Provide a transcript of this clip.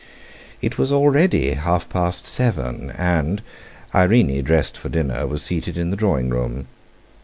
It was already half past seven, and Irene, dressed for dinner, was seated in the drawing room.